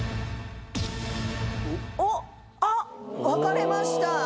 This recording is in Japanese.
おっあっ分かれました。